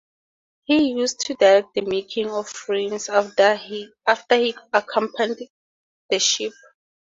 He used to direct the making of frames after he accompanied the ship.